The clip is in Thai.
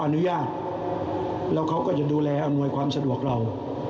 อนุญาตแล้วเขาก็จะดูแลอำนวยความสะดวกเรา